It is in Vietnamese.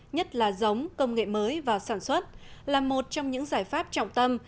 nhất là giống công nghệ mới vào sản xuất là một trong những giải pháp trọng tâm